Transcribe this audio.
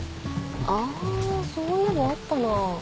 あぁそういえばあったな。